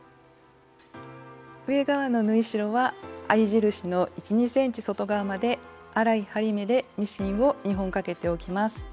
上側の縫い代は合い印の１２ｃｍ外側まで粗い針目でミシンを２本かけておきます。